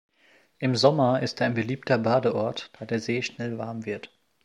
Im Sommer ist er ein beliebter Badeort, da der See schnell warm wird.